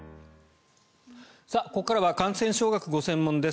ここからは感染症学がご専門です